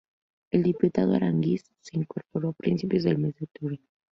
El diputado Aránguiz se incorporó a principios del mes octubre.